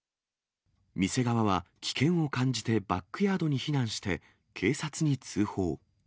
店側は危険を感じてバックヤードに避難して、警察に通報。